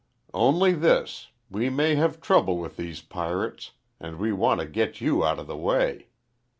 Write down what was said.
"Only this we may have trouble with these pirates, and we want to get you out of the way.